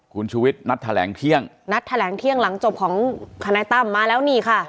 คุณชุวิตนัดแถลงเที่ยงนัดแถลงเที่ยงหลังจบของทนายตั้มมาแล้วนี่ค่ะ